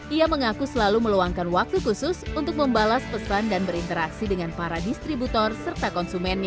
ia mengaku selalu meluangkan waktu khusus untuk membalas pesan dan berinteraksi dengan para distributor serta konsumennya